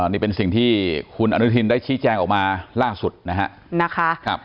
นี่เป็นสิ่งที่คุณอนุทินได้ชี้แจงออกมาล่าสุดนะฮะ